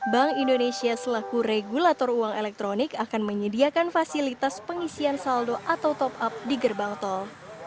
bank indonesia selaku regulator uang elektronik akan menyediakan fasilitas pengisian saldo atau top up di gerbang tol